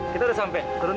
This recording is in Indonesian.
kita sekarang keluar